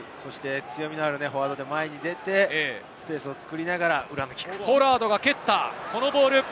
強みのあるフォワードで前に出て、スペースを作りながら裏へのキック。